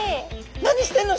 「何してんの？